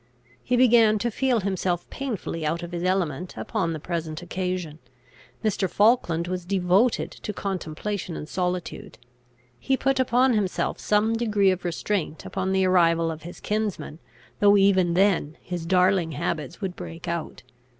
He began to feel himself painfully out of his element upon the present occasion. Mr. Falkland was devoted to contemplation and solitude. He put upon himself some degree of restraint upon the arrival of his kinsman, though even then his darling habits would break out.